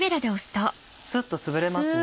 スッとつぶれますね。